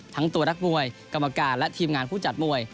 ทั้งตัวนักมวยกรรมการและทีมงานผู้จัดมวย